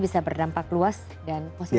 bisa berdampak luas dan positif